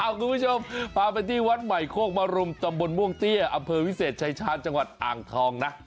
คุณผู้ชมพาไปที่วัดใหม่โคกมรุมตำบลม่วงเตี้ยอำเภอวิเศษชายชาญจังหวัดอ่างทองนะ